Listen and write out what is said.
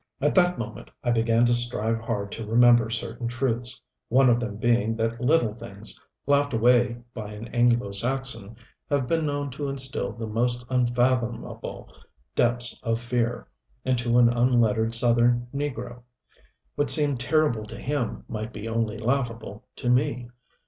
At that moment I began to strive hard to remember certain truths one of them being that little things, laughed away by an Anglo Saxon, have been known to instill the most unfathomable depths of fear into an unlettered southern negro. What seemed terrible to him might be only laughable to me.